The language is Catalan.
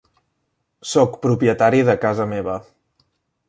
Sóc propietari de casa meva.